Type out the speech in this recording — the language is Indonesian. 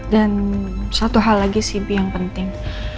dan satu hal lagi sih bi yang penting